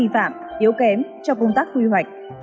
phạm yếu kém trong công tác quy hoạch